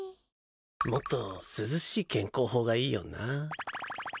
もっと涼しい健康法がいいよな。